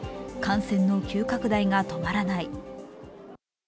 感染の急拡大が止まらない。